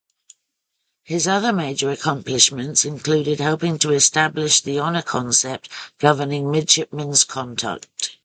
His other major accomplishments included helping to establish the honor concept governing midshipman's conduct.